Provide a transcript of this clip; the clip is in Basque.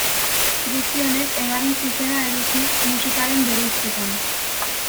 Guzti honek, eragin zuzena edukiz musikaren bereizketan.